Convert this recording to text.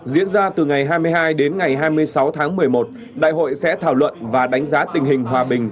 diễn ra từ ngày hai mươi hai đến ngày hai mươi sáu tháng một mươi một đại hội sẽ thảo luận và đánh giá tình hình hòa bình